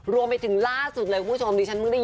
รวมไปถึงล่าสุดเลยคุณผู้ชมดิฉันเพิ่งได้ยิน